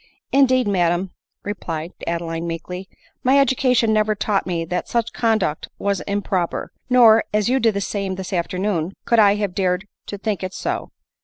" Indeed, madam," replied Adeline meekly, " my education never taught me that such conduct was impro per ; nor, as you did the same this afternoon, could I have dared to think it so."